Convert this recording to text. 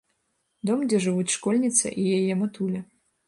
Дом, дзе жывуць школьніца і яе матуля.